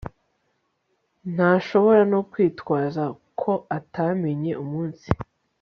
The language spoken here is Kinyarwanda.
Ntashobora no kwitwaza ko atamenye umunsi